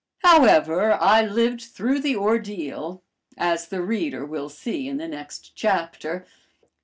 However, I lived through the ordeal, as the reader will see in the next chapter.